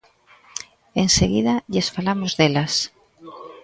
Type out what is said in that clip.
Enseguida lles falamos delas.